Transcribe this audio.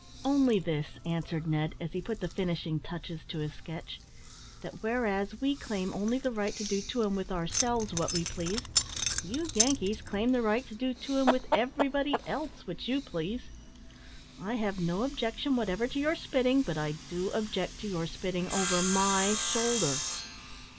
"Only this," answered Ned, as he put the finishing touches to his sketch, "that whereas we claim only the right to do to and with ourselves what we please, you Yankees claim the right to do to and with everybody, else what you please. I have no objection whatever to your spitting, but I do object to your spitting over my shoulder."